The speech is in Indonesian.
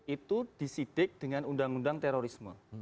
itu disidik dengan undang undang terorisme